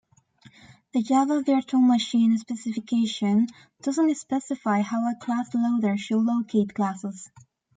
The Java virtual machine specification doesn't specify how a class loader should locate classes.